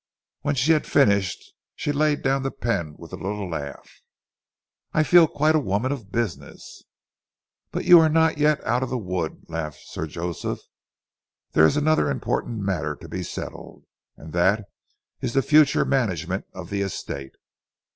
When she had finished she laid down the pen with a little laugh. "I feel quite a woman of business." "But you are not yet out of the wood," laughed Sir Joseph. "There is another important matter to be settled, and that is the future management of the estate.